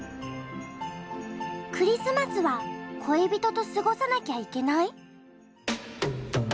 クリスマスは恋人と過ごさなきゃいけない？